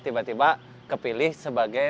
tiba tiba kepilih sebagai